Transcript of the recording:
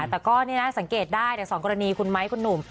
แต่สังเกตได้ในสองกรณีคุณไม้คุณหนุ่ม